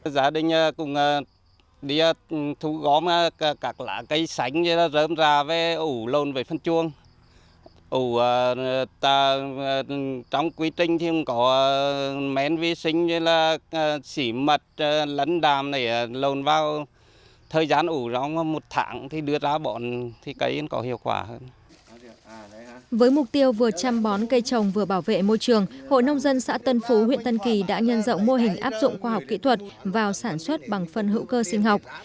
với mục tiêu vừa chăm bón cây trồng vừa bảo vệ môi trường hội nông dân xã tân phú huyện tân kỳ đã nhân dọng mô hình áp dụng khoa học kỹ thuật vào sản xuất bằng phân hữu cơ sinh học